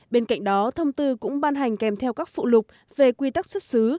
bên cạnh đó thông tư cũng ban hành kèm theo các phụ lục về quy tắc xuất xứ